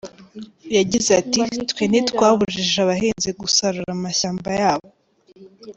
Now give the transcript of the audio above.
Yagize ati: “Twe ntitwabujije abahinzi gusarura amashyamba yabo.